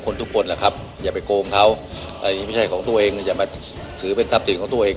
พ่นทุกคนเหละครับอย่าไปโกงเขาไม่ใช่ของตัวเองถือเป็นทัพสิ่งของตัวเอง